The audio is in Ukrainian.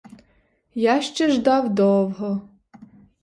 Я ще ждав довго.